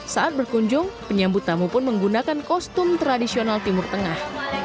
saat berkunjung penyambut tamu pun menggunakan kostum tradisional timur tengah